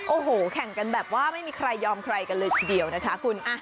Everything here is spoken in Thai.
โอ้โหแข่งกันแบบว่าไม่มีใครยอมใครกันเลยทีเดียวนะคะคุณ